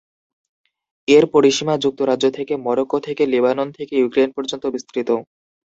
এর পরিসীমা যুক্তরাজ্য থেকে মরোক্কো থেকে লেবানন থেকে ইউক্রেন পর্যন্ত বিস্তৃত।